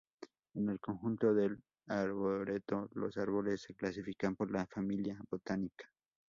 En el conjunto del arboreto los árboles se clasifican por la familia botánica.